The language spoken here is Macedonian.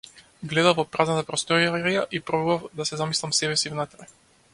Гледав во празната просторија и пробував да се замислам себеси внатре.